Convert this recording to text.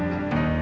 ini dia pak